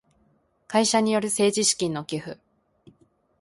会社による政治資金の寄付